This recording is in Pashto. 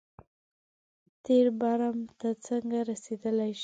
تېر برم ته څنګه رسېدای شي.